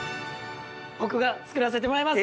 僕が作らせてもらいます。